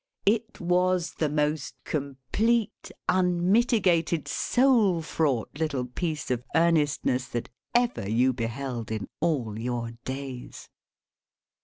It was the most complete, unmitigated, soul fraught little piece of earnestness that ever you beheld in all your days.